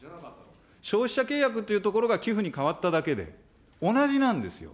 消費者契約というところが寄付に変わっただけで、同じなんですよ。